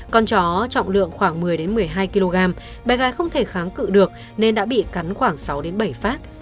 con chó trọng lượng khoảng một mươi một mươi hai kg bé gái không thể kháng cự được nên đã bị cắn khoảng sáu bảy phát